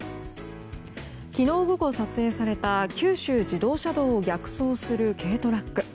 昨日午後撮影された九州自動車道を逆走する軽トラック。